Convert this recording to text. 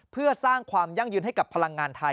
เพื่อสร้างความยั่งยืนให้กับพลังงานไทย